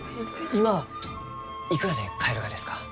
今はいくらで買えるがですか？